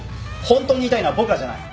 本当に痛いのは僕らじゃない。